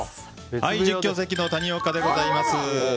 実況席の谷岡でございます。